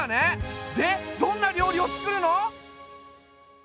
でどんな料理をつくるの？